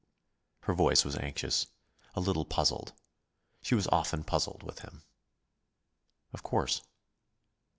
Her voice was anxious, a little puzzled. She was often puzzled with him. "Of course."